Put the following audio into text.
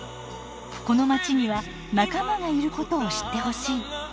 このまちには仲間がいることを知ってほしい。